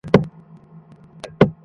আমরা এবারই অংশগ্রহণ করবো!